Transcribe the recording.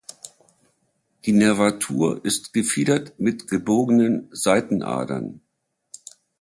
Die Nervatur ist gefiedert mit gebogenen Seitenadern.